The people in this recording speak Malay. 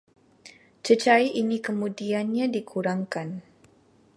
Cecair ini kemudiannya dikurangkan